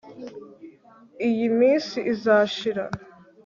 iyi minsi izashira